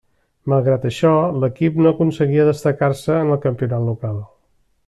Malgrat això, l'equip no aconseguia destacar-se en el campionat local.